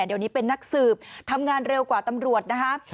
เดี๋ยวนี้เป็นนักสืบทำงานเร็วกว่าตำรวจนะคะ